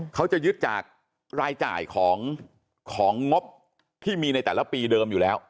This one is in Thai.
เขาจะยึดจากรายจ่ายของงบที่มีในแต่ละปีเดิมอยู่แล้ว